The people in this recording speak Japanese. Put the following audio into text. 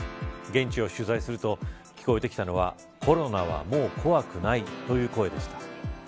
現地を取材すると聞こえてきたのはコロナはもう怖くないという声でした。